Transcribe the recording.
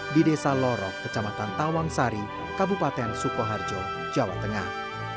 di desa lorok kecamatan tawangsari kabupaten sukoharjo jawa tengah